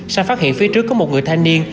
sang phát hiện phía trước có một người thanh niên